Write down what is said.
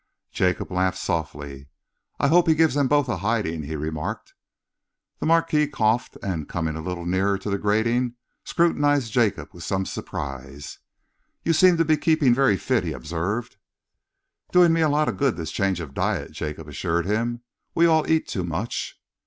Jacob laughed softly. "I hope he gives them both a hiding," he remarked. The Marquis coughed, and, coming a little nearer to the grating, scrutinised Jacob with some surprise. "You seem to be keeping very fit," he observed. "Doing me a lot of good, this change of diet," Jacob assured him. "We all eat too much."